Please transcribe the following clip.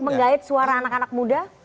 menggait suara anak anak muda